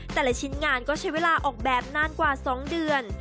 แต่ละชิ้นงานก็ใช้เวลาออกแบบนานกว่า๒เดือน